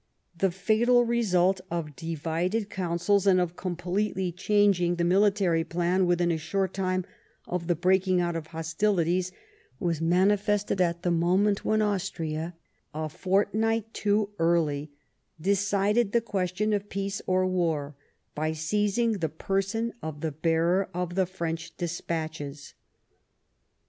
The fatal result of divided counsels, and of completely changing the military plan within a short time of the breaking out of hostilities was manifested at the moment when Austria, a fortnight too early, decided the question of peace or war, by seizing the person of the bearer of the French despatches.